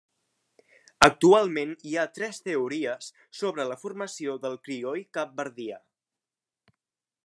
Actualment hi ha tres teories sobre la formació del crioll capverdià.